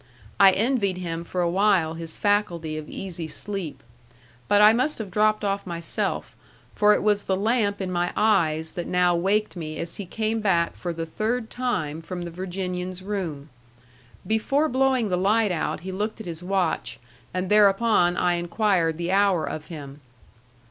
I envied him for a while his faculty of easy sleep. But I must have dropped off myself; for it was the lamp in my eyes that now waked me as he came back for the third time from the Virginian's room. Before blowing the light out he looked at his watch, and thereupon I inquired the hour of him.